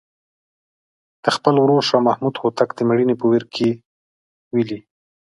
د خپل ورور شاه محمود هوتک د مړینې په ویر کې یې ویلي.